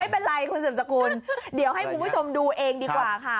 ไม่เป็นไรคุณสืบสกุลเดี๋ยวให้คุณผู้ชมดูเองดีกว่าค่ะ